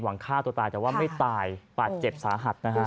ฆ่าตัวตายแต่ว่าไม่ตายบาดเจ็บสาหัสนะฮะ